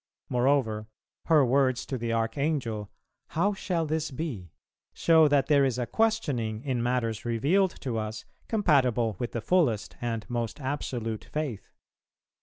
Moreover, her words to the Archangel, "How shall this be?" show that there is a questioning in matters revealed to us compatible with the fullest and most absolute faith.